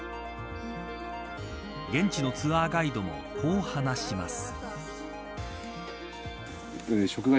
現地のツアーガイドもこう話します。